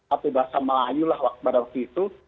atau bahasa melayu lah pada waktu itu